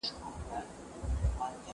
هغه وویل چي زه په خپل کار ویاړم.